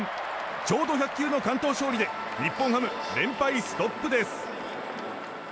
ちょうど１００球の完投勝利で日本ハム、連敗ストップです！